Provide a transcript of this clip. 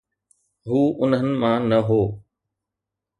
هو انهن مان نه هو.